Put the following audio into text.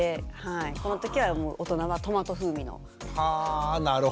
この時は大人はトマト風味の。はあなるほど。